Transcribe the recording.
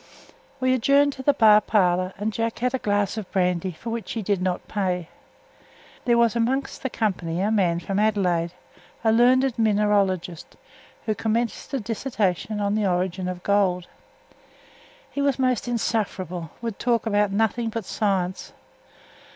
We adjourned to the bar parlour, and Jack had a glass of brandy, for which he did not pay. There was among the company a man from Adelaide, a learned mineralogist, who commenced a dissertation on the origin of gold. He was most insufferable; would talk about nothing but science.